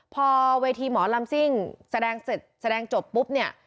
พอเวทีหมอลำซิ่งแสดงเสร็จแสดงจบปุ๊บเนี่ย